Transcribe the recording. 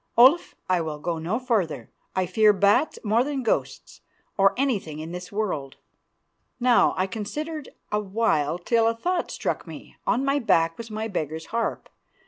Olaf, I will go no farther. I fear bats more than ghosts, or anything in the world." Now, I considered a while till a thought struck me. On my back was my beggar's harp.